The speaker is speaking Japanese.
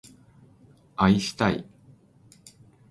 愛したい